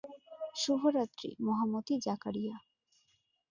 শুভরাত্রি মহামতি জাকারিয়া।